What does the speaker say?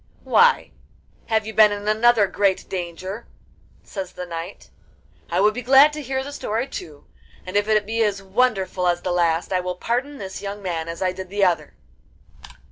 'Why, have you been in another great danger?' says the knight. 'I would be glad to hear the story too, and if it be as wonderful as the last, I will pardon this young man as I did the other.